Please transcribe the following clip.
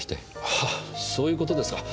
ああそういうことですか。